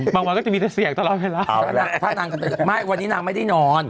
วันก็จะมีแต่เสียงตลอดเวลาถ้านางไม่วันนี้นางไม่ได้นอน